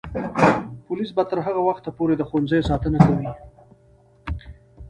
پولیس به تر هغه وخته پورې د ښوونځیو ساتنه کوي.